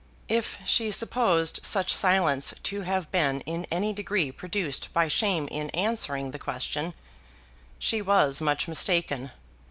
If she supposed such silence to have been in any degree produced by shame in answering the question, she was much mistaken.